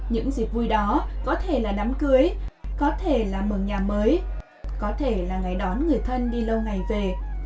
những dịp vui đó có thể là đám cưới có thể là mở nhà mới có thể là ngày đón người thân đi lâu ngày về